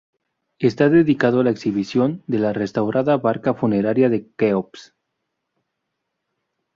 Está dedicado a la exhibición de la restaurada barca funeraria de Keops.